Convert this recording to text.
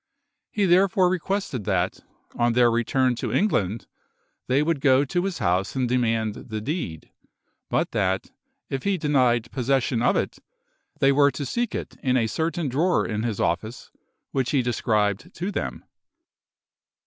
He therefore requested that, on their return to England, they would go to his house and demand the deed, but that, if he denied the possession of it, they were to seek it in a certain drawer in his office, which he described to them.